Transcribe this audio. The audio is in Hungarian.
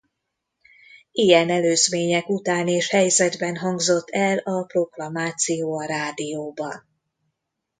Ilyen előzmények után és helyzetben hangzott el a proklamáció a rádióban.